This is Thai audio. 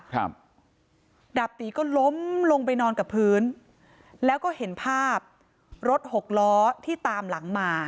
ครับดาบตีก็ล้มลงไปนอนกับพื้นแล้วก็เห็นภาพรถหกล้อที่ตามหลังมา